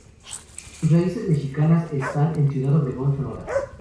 Sus raíces mexicanas están en Ciudad Obregón, Sonora.